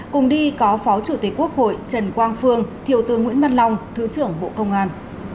cùng đi có phó chủ tịch quốc hội trần quang phương thiều tướng nguyễn mặt long thứ trưởng bộ công an